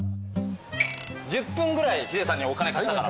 １０分ぐらいヒデさんにお金貸したから。